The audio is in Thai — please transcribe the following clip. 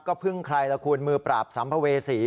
ก็พึ่งใครละคุณมือปราบสำเบเวศรี่